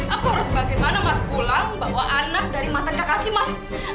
aku harus bagaimana mas pulang bawa anak dari mantan kekasih mas